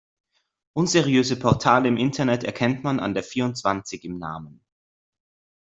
Unseriöse Portale im Internet erkennt man an der vierundzwanzig im Namen.